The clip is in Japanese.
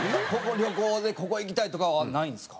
旅行でここ行きたいとかはないんですか？